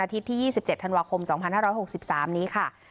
อาทิตย์ที่๒๗ธันวาคมสองพันห้าร้อยโรคสิบสามนี้ค่ะ